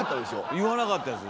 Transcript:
言わなかったです。